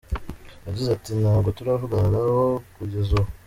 Yagize ati ” Ntabwo turavugana na bo kugeza ubu.